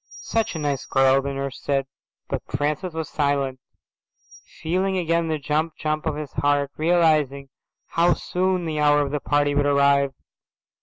"Such a nice girl," the nurse said. But Francis was silent, feeling again the jump jump of his heart, realizing how soon the hour of the party would arrive.